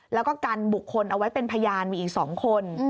แล้วก็กันบุคคลเอาไว้เป็นพยานมีอีก๒คน